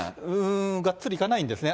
がっつりいかないんですね。